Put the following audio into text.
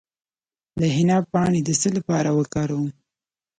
د حنا پاڼې د څه لپاره وکاروم؟